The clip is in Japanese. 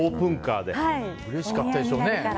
うれしかったでしょうね